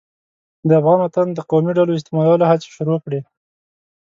د افغان وطن د قومي ډلو استعمالولو هڅې شروع کړې.